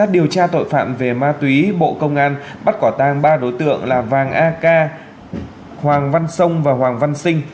điều tra tội phạm về ma túy bộ công an bắt quả tang ba đối tượng là vàng a ca hoàng văn sông và hoàng văn sinh